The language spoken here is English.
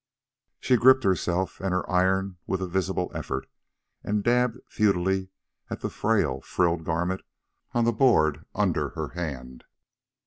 She gripped herself and her iron with a visible effort, and dabbed futilely at the frail, frilled garment on the board under her hand.